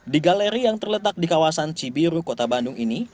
di galeri yang terletak di kawasan cibiru kota bandung ini